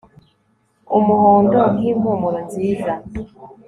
Umuhondo nkimpumuro nziza